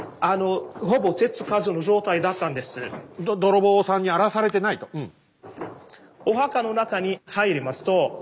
泥棒さんに荒らされてないとうん。